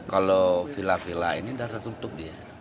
kalau vila vila ini sudah tertutup